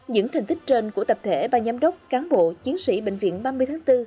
những thành tích trên của tập thể ba giám đốc cán bộ chiến sĩ bệnh viện ba mươi tháng bốn